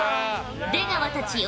出川たちよ